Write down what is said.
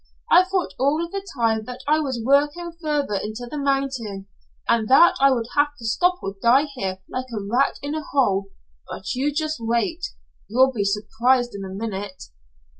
I thought all the time that I was working farther into the mountain, and that I would have to stop or die here like a rat in a hole. But you just wait. You'll be surprised in a minute."